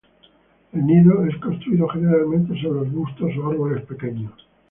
El nido es construido generalmente sobre arbustos o árboles pequeños.